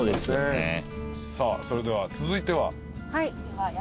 さあそれでは続いては？